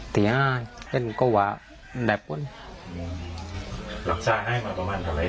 เตียง่าเต้นเก้าหวานแดบวันอืมรักษาให้มาประมาณ